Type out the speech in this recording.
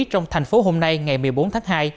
trong thành phố hôm nay ngày một mươi bốn tháng hai